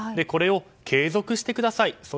これを継続してください。